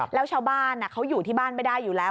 แล้วชาวบ้านเขาอยู่ที่บ้านไม่ได้อยู่แล้ว